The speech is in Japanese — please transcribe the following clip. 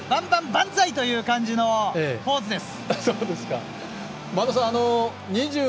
バンザイ！という感じのポーズです。